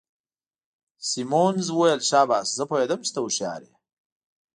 سیمونز وویل: شاباس، زه پوهیدم چي ته هوښیار يې.